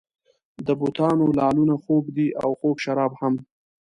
د بتانو لعلونه خوږ دي او خوږ شراب هم.